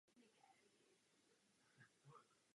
V době nebezpečí poskytovalo útočiště obyvatelům okolních osad.